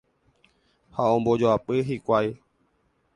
ha ombojoapy hikuái